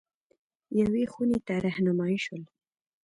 یوې خونې ته رهنمايي شول.